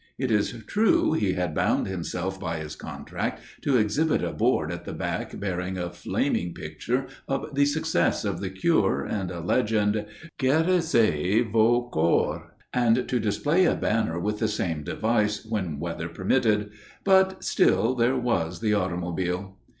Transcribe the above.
It is true he had bound himself by his contract to exhibit a board at the back bearing a flaming picture of the success of the cure and a legend: "Guérissez vos cors," and to display a banner with the same device, when weather permitted. But, still, there was the automobile.